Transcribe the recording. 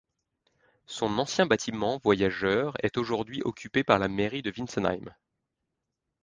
Son ancien bâtiment voyageurs est aujourd'hui occupé par la mairie de Wintzenheim.